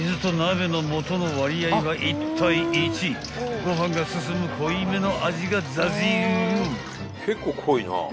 ［ご飯が進む濃いめの味がＺＡＺＹ流］